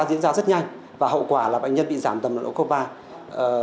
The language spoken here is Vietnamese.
diễn ra rất nhanh và hậu quả là bệnh nhân bị giảm tầm độ khớp vai